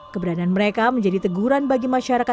keberadaan mereka menjadi teguran bagi para anggota karawitan